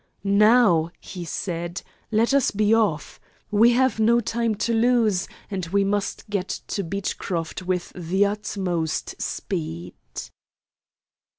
"Now," he said, "let us be off. We have no time to lose, and we must get to Beechcroft with the utmost speed."